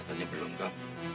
ternyata belum pak